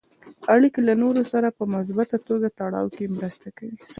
اړیکې له نورو سره په مثبته توګه تړاو کې مرسته کوي.